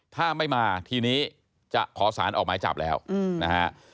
ถ้าไม่มาทีนี้จะขอสารออกหมายจับแล้วนะฮะ